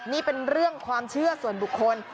นี่เป็นเรื่องความเชื่อส่วนบุคคล